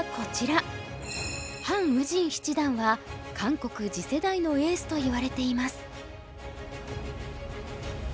ハン・ウジン七段は韓国次世代のエースといわれています。